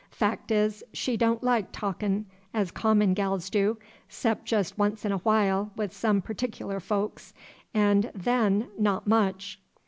Fac' is, she don' like talkin' as common gals do, 'xcep' jes' once in a while wi' some partic'lar folks, 'n' then not much."